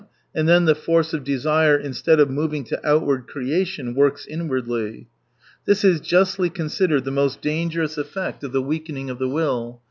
And then the force of desire instead of moving to outward creation, works inwardly. This is justly considered the most dangerous effect of the weakening of the will.